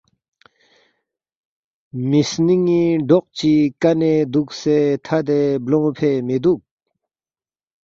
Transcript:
مسنینگی ڈوق چی کانے دوکسے تھدے بلونگفے میدوک